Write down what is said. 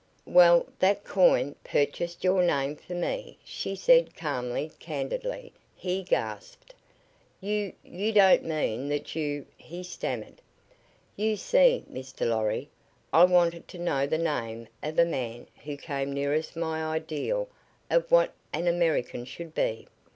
"Well, that coin purchased your name for me," she said, calmly, candidly. He gasped. "You you don't mean that you " he stammered. "You see, Mr. Lorry, I wanted to know the name of a man who came nearest my ideal of what an American should be.